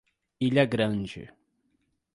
Ilha Grande